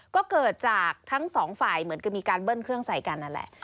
ก็เกิดจากทั้งสองฝ่ายเหมือนกับมีการเบิ้ลเครื่องใส่กันนั่นแหละ